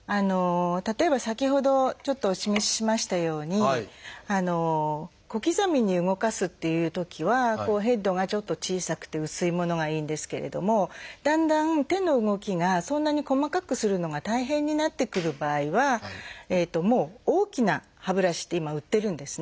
例えば先ほどちょっとお示ししましたように小刻みに動かすっていうときはヘッドがちょっと小さくて薄いものがいいんですけれどもだんだん手の動きがそんなに細かくするのが大変になってくる場合は大きな歯ブラシって今売ってるんですね。